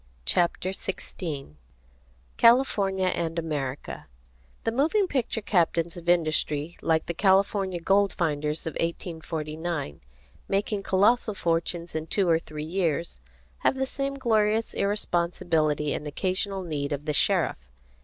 CHAPTER XVI CALIFORNIA AND AMERICA The moving picture captains of industry, like the California gold finders of 1849, making colossal fortunes in two or three years, have the same glorious irresponsibility and occasional need of the sheriff.